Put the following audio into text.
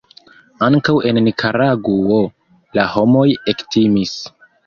Ankaŭ en Nikaragŭo la homoj ektimis.